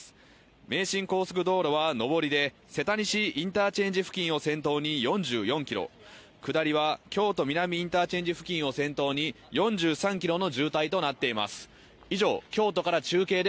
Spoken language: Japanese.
名神高速道路は上りで瀬田西インターチェンジ付近を先頭に４４キロ下りは京都南インターチェンジ付近を先頭に４３キロの渋滞となっています